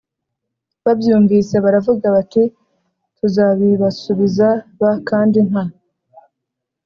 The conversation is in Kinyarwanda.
Babyumvise baravuga bati tuzabibasubiza b kandi nta